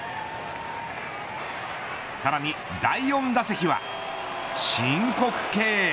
さらに第４打席は申告敬遠。